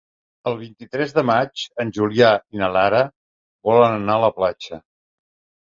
El vint-i-tres de maig en Julià i na Lara volen anar a la platja.